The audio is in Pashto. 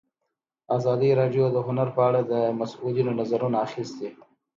ازادي راډیو د هنر په اړه د مسؤلینو نظرونه اخیستي.